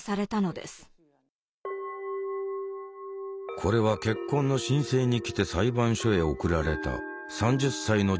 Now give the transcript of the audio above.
これは結婚の申請に来て裁判所へ送られた３０歳の女性のケース。